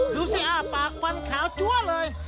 ดูสิอ้าปากฟันขาวจั๊วเลย